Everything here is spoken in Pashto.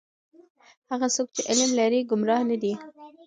هغه څوک چې علم لري گمراه نه دی.